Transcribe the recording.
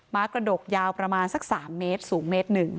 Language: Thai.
้ากระดกยาวประมาณสัก๓เมตรสูงเมตรหนึ่ง